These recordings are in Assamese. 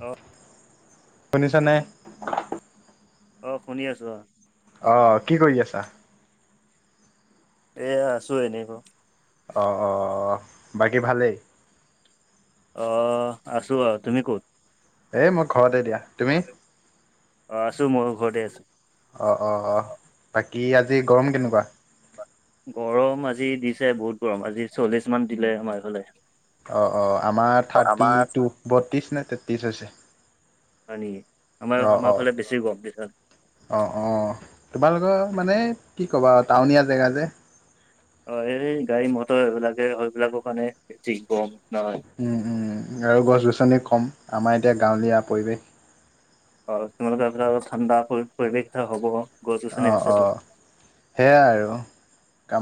হেল্ল'! শুনিছানে! অ, শুনি আছো, অ। অ, কি কৰি আছা? এয়া, আছো এনে। অঁ, অঁ, বাকী ভালেই? অ, আছোঁ আৰু। তুমি ক'ত? এই মই ঘৰতে দিয়া। তুমি? অ, আছো ময়ো ঘৰতে আছো। অঁ, অঁ, অঁ, বাকী, আজি গৰম কেনেকুৱা? গৰম আজি দিছে, বহুত গৰম, আজি চল্লিশ মান দিলে, আমাৰ এইফালে। অঁ, অঁ, আমাৰ থাৰ্টি টু, বত্ৰিছ নে তেত্ৰিছ হৈছে। হয় নেকি! আমাৰ, আমাৰ ফালে বেছি গৰম। অঁ, অঁ, তোমালোকৰ মানে কি ক'বা আৰু, টাউনীয়া জেগা যে। অ, এই গাড়ী মটৰ এইবিলাকে সেইবিলাকৰ কাৰণেই [unintelligible] গৰম নহয়। উম, উম, আৰু গছ-গছনি কম। আমাৰ এতিয়া গাঁৱলীয়া পৰিৱেশ। আৰু তোমালোকৰ সেইফালে অলপ ঠাণ্ডা পৰি-পৰিৱেশ এটা হ'ব। গছ গছনি অঁ, আছেতো অঁ, সেয়াই আৰু।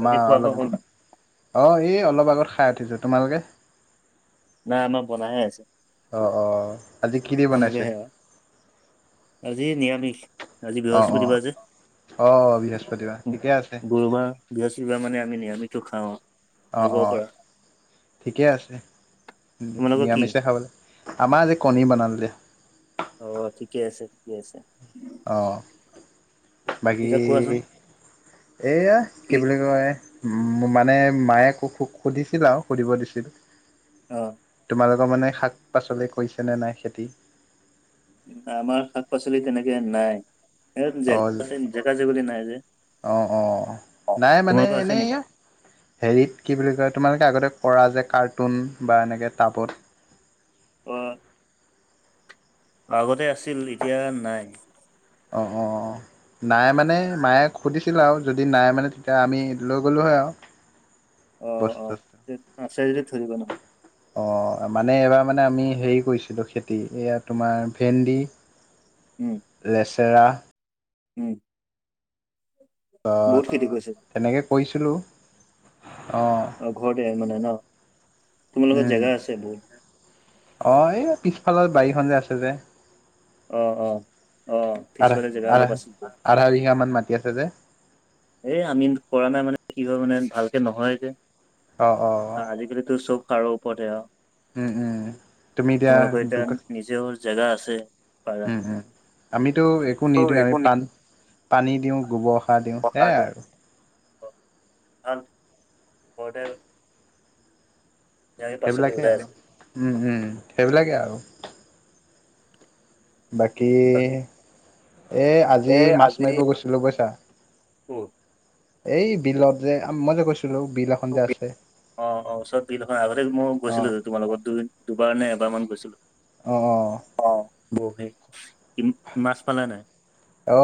বাকী খোৱা বোৱা অলপ হ'ল অঁ, এই অলপ আগত খাই উঠিছোঁ। তোমালোকে? নাই, আমাৰ বনাইহে আছে। অঁ, অঁ। খামগেহে আৰু, আজি নিৰামিষ। আজি অ' অ'। বৃহস্পতিবাৰ যে, অ বৃহস্পতিবাৰ ঠিকে আছে গুৰুবাৰ। বৃহস্পতিবাৰে মানে আমি নিৰামিষতো খাওঁ। অঁ, আগৰ অঁ, পৰা ঠিকে আছে, তোমালোকৰ কি নিৰামিষে খাব লাগে। আমাৰ আজি কণী বনালো দে। অঁ ঠিকে আছে ঠিকে আছে। অঁ বাকী এতিয়া কোৱাচোন এইয়া কি বুলি কয়। মানে মায়ে সু সু সুধিছিল আৰু সুধিব দিছিল। অঁ। তোমালোকৰ মানে শাক পাচলি কৰিছেনেে নাই খেতি। আমাৰ শাক পাচলি তেনেকে নাই। জে অ জেগা জেগলী নাই যে। অ অ অঁ। নাই মানে তোমালোকৰ আছে এনেই নেকি? হেৰিত কি বুলি কয়, তোমালোকে আগতে কৰা যে কাৰ্টুন বা এনেকে টাবত। অ আগতে আছিল এতিয়া নাই। অঁ হ নাই মানে মায়ে সুধিছিল আৰু যদি নাই মানে তেতিয়া আমি লৈ গলোহই আৰু অ অ বস্তু আছে যদি ধৰিব ন অঁ মানে এইবাৰ মানে আমি হেৰি কৰিছিলোঁ খেতি, এইয়া তোমাৰ ভেন্দি। [inaudible] উম লেচেৰা উম অঁ বহুত খেতি কৰিছে তেনেকে কৰিছিলোঁ। অ' অঁ ঘৰতে মানে ন। তোমালোকৰ জেগা আছে বহুত। অঁ এয়া পিছফালৰ বাৰীখন যে আছে যে। অঁ অঁ অ। আঢ়া পিছফালে জেগা আঢ়া অলপ আছিল আধা বিঘা মান মাটি আছে যে। এই আমি কৰা নাই মানে কি হয় মানে ভালকে নহয়ে যে। অ' অ' আজিকালিটো চব সাৰৰ ওপৰতে আউ। উম উম। তুমি তোমালোকৰ এতিয়া দোকা নিজেও জেগা আছে। পাৰা। উম উম আমিতো একো নিদিওঁ আমি পান পানী দিওঁ, গোবৰ। সাৰ দিওঁ প্ৰসাদ সেয়াই আৰু দিওঁ অ ভাল ঘৰতে শাক পাচলি সেইবিলাকেই ওলাই আৰু। আছে উহো, সেইবিলাকেই আৰু। বাকী এই আজি মাছ মাৰিব গৈছিলোঁ বুইচা। এই বিলত যে, মই যে কৈছিলো বিল এখন যে আছে। অঁ অঁ ওচৰত বিলখন আগতে মই অ গৈছিলো যে, তোমাৰ লগতই দুবাৰ নে এবাৰ মান গৈছিলো। অঁ অঁ অঁ। অ বৌ সেই মাছ পালা নাই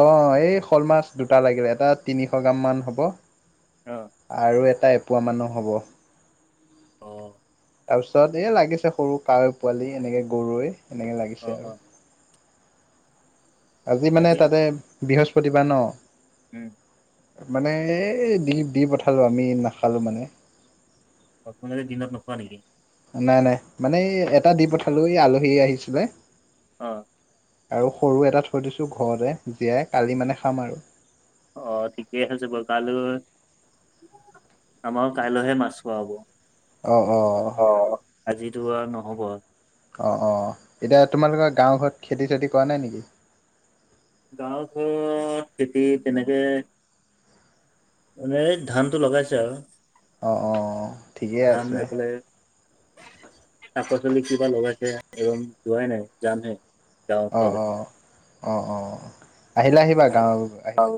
অ এই শ'ল মাছ দুটা লাগিলে। এটা তিনিশ গ্ৰাম মান হ'ব। অঁ। আৰু এটা এপোৱা মানৰ হব। অঁ। তাৰপিছত এই লাগিছে সৰু কাৱৈ পোৱালি, এনেকৈ গৰৈ এনেকৈ লাগিছে অ', আৰু। অ', আজি মানে তাতে বৃহস্পতিবাৰ ন। উম মানে এই দি দি পঠালোঁ আমি নাখালোঁ মানে। তোমালোকে দিনত নোখোৱা নেকি? নাই নাই, মানে এই এটা দি পঠালোঁ, এই আলহী আহিছিলে। অ'। আৰু সৰু এটা থৈ দিছোঁ ঘৰতে জীয়াই, কালি মানে খাম আৰু। অ' ঠিকেই আছে বাৰু, কালৈ আমাৰো কাইলৈহে মাছ খোৱা হ'ব। অ', অ' আজিতো আৰু নহ'ব। অ', অ' এতিয়া তোমালোকৰ গাঁও ঘৰত খেতি চেতি কৰা নাই নেকি? গাঁও ঘৰত খেতি তেনেকে মানে এই ধানটো লগাইছে আৰু, অ', অ', ঠিকেই ধান আছে এইফালে শাকপাচলি কিবা লগাইছে [unintelligible] যোৱাই নাই, যামহে। গাঁৱৰ অ', ফালে অ', অ', অ' আহিলে আহিবা। গাঁও [unintelligible] আহিলে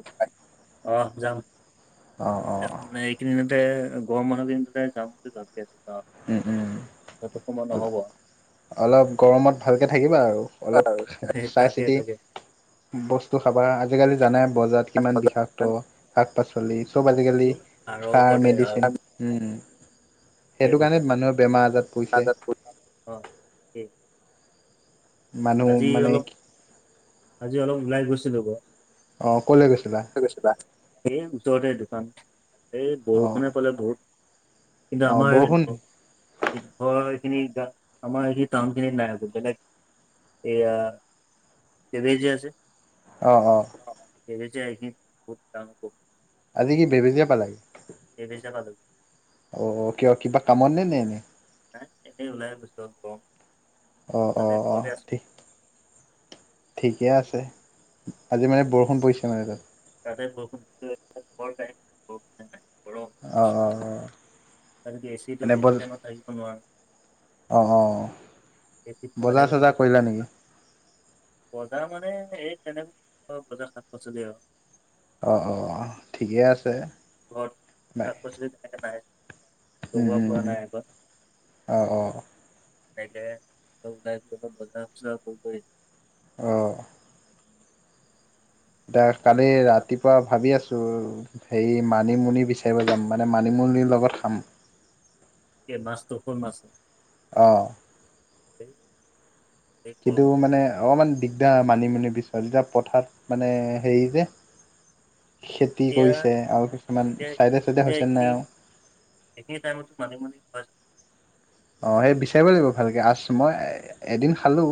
অ' যাম। অ', অ', মানে এইকেদিনতে, গৰম বন্ধ দিনটোতে যাম বুলি ভাবি আছোঁ আৰু। উম, উম। তাতে তোমাৰ নহ'ব। অলপ গৰমত ভালকে থাকিবা আৰু, অলপ সেই চাই তাকে চিতি তাকে বস্তু খাবা। আজিকালি জানাই বজাৰত কিমান বিষাক্ত শাক পাচলি, চব আজিকালি আৰু সাৰ, ওপৰতে আৰু মেডিচিন, উম। ঠিকে সেইটো কাৰণে কৈছা মানুহে বেমাৰ আজাৰত পৰিছে। অ'। এই মানুহ আজি মানে অলপ, আজি অলপ ওলাই গৈছিলোঁ বাৰু। অ' ক'লৈ গৈছিলা? এই ওচৰতে দোকান। এই অ', বৰষুণে পালে বহুত, কিন্তু অ', আমাৰ বৰষুণ [unintelligible] এইখিনি আমাৰ এই টাউনখিনিত নাই আকৌ বেলেগ এয়া কেবে যে আছে অ', অ'। বেবে যে সেইখিনিত বহুত ডাঙৰ বৰষু আজি কি বেবেজীয়া পালাগে? বেবেজীয়া পালোগে অ' কিয় কিবা কামতনে নে এনেই? নাই এনেই ওলাই গৈছিলোঁ আৰু গৰম। অ', তাতে অ', ঘৰতে অ', আছো ঠিক। ঠিকে আছে। আজি মানে বৰষুণ পৰিছে মানে তাত। তাতে বৰষুণ [unintelligible] গৰম অ' অ' [unintelligible] অ' এচিটো এনে বেছি বজ টাইম থাকিব নোৱাৰ। অ', অ'। এচিত সোমাই বজাৰ থাকিলেতো চজাৰ পিছত কৰিলা নেকি? বজাৰ মানে এই তেনেক বজাৰ শাক পাচলি আৰু। অ', অ', অ' ঠিকে আছে। ঘৰত বাই শাক পাচলি তেনেকে নাই, উম লগোৱা উম হোৱা উম নাই এইবাৰ। অ', অ'। [unintelligible] অ'। তাত কালি কৰি ৰাতিপুৱা ভাবি আছোঁ। হেৰি মানিমুনি বিচাৰিব যাম, মানে মানিমুনিৰ লগত খাম। কি মাছটো, কোন মাছটো? অ'। সেই কিন্তু মানে অকণমান দিগদাৰ মানিমুনি বিচৰাত এতিয়া পথাৰত মানে হেৰি যে। খেতি এতিয়া কৰিছে আৰু কিছুমান এতিয়া এতিয়া চাইডে চাইডে হৈছে নাই এইখিনি আৰু। এইখিনি টাইমত মানিমুনি হয় জানো। অ', সেই বিচাৰিব লাগিব ভালক আছ মই এদিন খালোঁ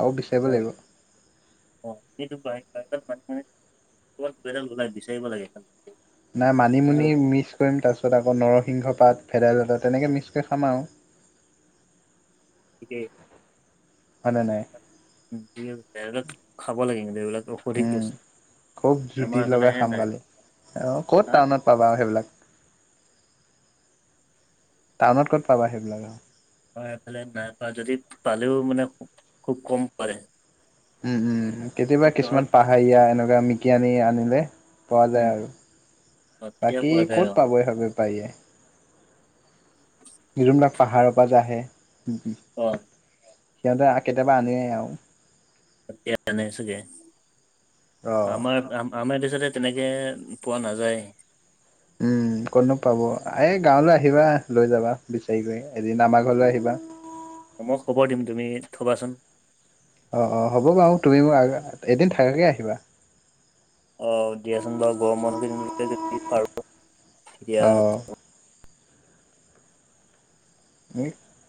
আৰু বিচা অ'। অ', সেইটো বাৰিষা কালত বানপানীত কবাত দুই এডাল ওলাই বিচাৰিব লাগে এখন। নাই মানিমুনি মিক্স কৰিম তাৰপিছত আকৌ নৰসিংহ পাত ভেদাইলতা তেনেকৈ মিক্স কৰি খাম আৰু। ঠিকেই। হয়নে নাই ঠিক আছে, এইবিলাক খাব লাগে কিন্তু এইবিলাক ঔষধিক উম বস খুব জুতি লগাই খাম কালি অ', ক'ত হা টাউনত পাবা আৰু সেইবিলাক টাউনত ক'ত পাবা সেইবিলাক আৰু। অ', এফালে নাই পোৱা যদি পালেও মানে খুব কম পাৰে। উম, উম, কেতিয়াবা কিছুমান পাহাৰীয়া এনেকুৱা মিকি আনি আনিলে। পোৱা যায় উম আৰু অ তেতিয়া বাকী পোৱা যায় অ ক'ত পাব এইভাবে। পায় যায় যোনবিলাক পাহাৰৰ পৰা আহে। অ'। সিহঁতে আহা কেতিয়াবা আনেই আৰু। ইয়াত আনে চাগে অ আমাৰ আম আমাৰ এইটো চাইডে তেনেকে পোৱা নাযায়। উম, ক'তনো পাব এই গাঁৱলৈ আহিবা লৈ যাবা বিচাৰি কৰি এদিন আমাৰ ঘৰলৈ আহিবা। অ', মই খবৰ দিম তুমি থ'বাচোন। অ', অ', হ'ব বাৰু, তুমি মোক, এদিন থাকাকে আহিবা। অ', দিয়াচোন বাৰু গৰমৰ দিনলৈকে যদি পাৰোঁ অ তেতিয়া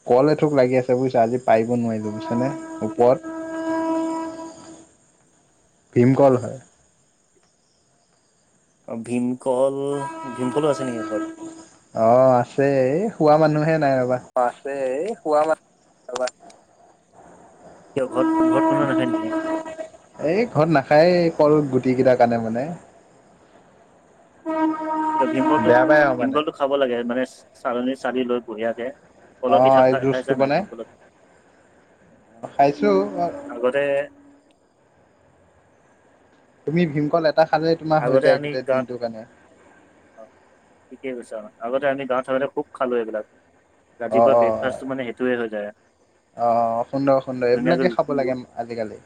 কল এথোক লাগি আছে বুজিছা আজি পাৰিব নোৱাৰিলো বুজিছানে ওপৰত। ভীমকল হয়। অ', ভীমকল, ভীমকলো আছে নেকি ঘৰত? অ', আছে এই খোৱা মানুহে নাই ৰ'বা। অ', আছে এই খোৱা মানুহ ৰ'বা। কিয়, ঘৰত ঘৰত কোনো নাখায় নেকি? এই ঘৰত নাখায় কল গুটি কেইটা কাৰণে মানে। ভীমকল, বেয়া পাই আৰু মানে ভীমকলটো খাব লাগে মানে চালনী চালি লৈ বঢ়িয়াকে। অ কলৰ পিঠা এই খাই খাইছা জুচটো নাই বনাই ভিমকলৰ খাইছো আগতে তুমি ভীমকল এটা খালে তোমাৰ হৈ আগতে যায় আমি গোটেই গাঁৱত দিনটোৰ কাৰণে অ', ঠিকে কৈছ অ', আগতে আমি গাঁৱত থাকোতে খুব খালোঁ এইবিলাক। অ', ৰাতিপুৱা অ', অ', ব্ৰেকফাষ্টটো মানে সেইটোৱে হৈ যায় অ', অ', সুন্দৰ সুন্দৰ ধুনীয়াকে এইবিলাকে খাব ৰুটি লাগে। আজিকালি।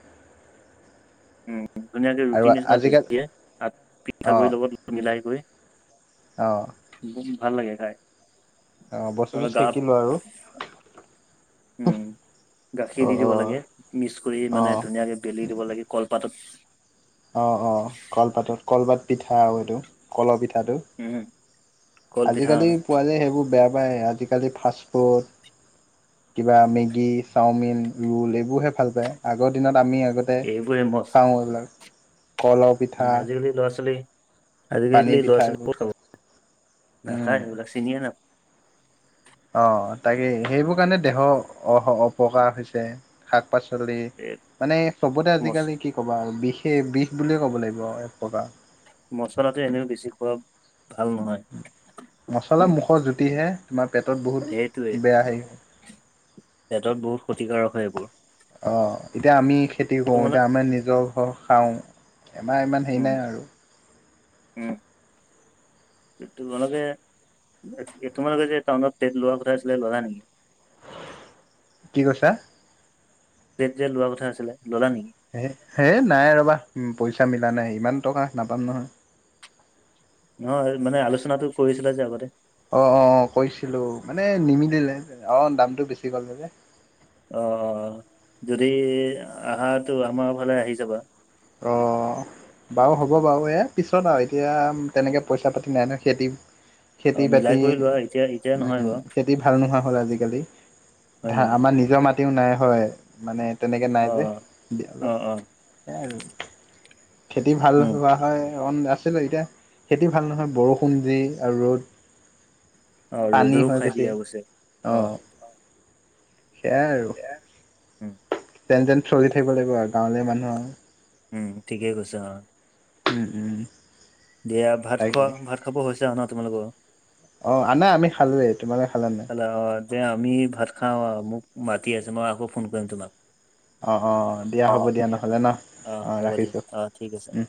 উম, ধুনীয়াকে আৰু ৰুটি নিচিনা আজিকালি বেলি অ', পিঠাগুড়িৰ লগত মিলাই কৰি অ'। ভাল লাগে খাই। অ', বস্তুটো গাত চেকি লোৱা আৰু। উম, গাখীৰ অ', দি দিব অ', লাগে মিক্স কৰি মানে অ', ধুনীয়াকে বেলি দিব লাগে কলপাতত অ', অ', কলপাতত কলপাত পিঠা আৰু এইটো কলৰ পিঠাটো। উম কল পিঠা আজিকালি পোৱালিৱে সেইবোৰ বেয়া পায়, আজিকালি ফাষ্টফুড- কিবা মেগী চাওমিন ৰোল এইবোৰহে ভাল পায়। আগৰ দিনত আমি আগতে এইবোৰে মস্ত খাওঁ এইবিলাক কল আৰু উম, আজিকালি ল'ৰা- ছোৱালী, পানী আজিকালি ল'ৰা- পিঠা ছোৱালী এইবোৰ ক'ত খাব। উম নাখায় এইবিলাক। চিনিয়ে নাপায়। অ, তাকে সেইবোৰ কাৰণে দেহৰ আহ, অপকাৰ হৈছে। শাক- পাচলি, নাপায় মানে চবতে মচ আজিকালি কি- ক'বা আৰু। বিষেই বিষ বুলিয়ে ক'ব লাগিব আৰু এক প্ৰকাৰৰ। মচলাটো এনেও বেছি খোৱা ভাল নহয়। মছলা মুখৰ জুতিহে, তোমাৰ পেটত বহুত সেইটোৱে বেয়া হেৰি হব। পেটত বহুত ক্ষতিকাৰক হয় এইবোৰ অ', এতিয়া আমি খেতি কৰো। এতিয়া তোমালোক আমাৰ নিজৰ ঘৰ খাওঁ, আমাৰ ইমান হেৰি উম নাই আৰু। উম। তোমালোকে, তোমালোকে যে টাউনত ফিলেট লোৱা কথা আছিলে ললা নেকি? কি কৈছা? প্লেট যে লোৱা কথা আছিলে, ললা নেকি? হে নাই ৰ'বা পইচা মিলা নাই, ইমান টকা নাপায় নহয়। নহয় মানে, আলোচনাটো কৰিছিলা যে আগতে। অ, অ কৰিছিলো মানে, নিমিলিলে অ, দামটো বেছি কলে যে। অঁ, যদি আহাটো আমাৰ ফালে আহি যাবা। অঁ। বাৰু হ'ব বাৰু, এই পিছত আৰু এতিয়া তেনেকৈ পইচা পাতি নাই ন। খেতি অ', খেতি- মিলাই বাতি কৰি লোৱা এতিয়া এতিয়া নহয় উম, বাৰু খেতি ভাল নোহোৱা হ'ল আজিকালি। হয় ধা, নেকি আমাৰ নিজৰ মাটি মাটিও নাই হয়, মানে তেনেকৈ নাই যে, অ', অ', অলপ অ', সেয়াই আৰু। খেতি ভাল উম, হোৱা হয়, অকমান আছিলে, এতিয়া খেতি ভাল নহয় বৰষুণ যি আৰু ৰ'দ। অ', পানী ৰ'দেও হয় খাই বেছি দিয়ে অৱশ্যে অ', অঁ, সেইয়া আৰু। হে, উম। যেন- তেন চলি থাকিব লাগিব আৰু গাৱঁলীয়া মানুহ আৰু। উম, ঠিকেই কৈছা, অ। উম, উম। দিয়া, ভাত তাকে খোৱা, ভাত খাব হৈছো ন তোমালোকৰ? অ, আনাই আমি খালোৱেই। তোমালে খালা নাই? হ'লে অঁ, দে আমি ভাত খাওঁ, মোক মাতি আছে মই আকৌ ফোন কৰিম তোমাক। অ অ দিয়া হ'ব অঁ, দিয়া, নহ'লে ন অঁ, অ হ'ব দিয়া, ৰাখিছোঁ অঁ, ঠিক আছে। উম